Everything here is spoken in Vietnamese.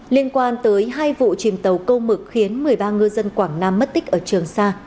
liên quan tới hai vụ chìm tàu câu mực khiến một mươi ba ngư dân quảng nam mất tích ở trường sa